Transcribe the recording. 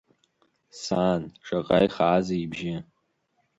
Са-ан, шаҟа ихаазеи ибжьы!